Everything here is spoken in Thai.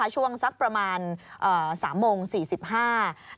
ช่วงสักประมาณ๓โมง๔๕นาที